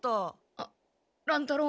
あっ乱太郎。